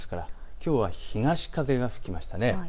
きょうは東風が吹きました。